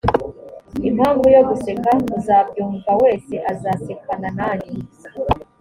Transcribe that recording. impamvu yo guseka uzabyumva wese azasekana nanjye